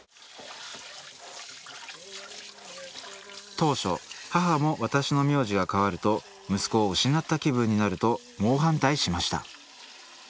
当初母も私の名字が変わると「息子を失った気分になる」と猛反対しました。